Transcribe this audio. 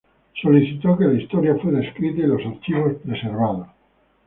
Solicitó que la historia fuera escrita y los archivos preservados.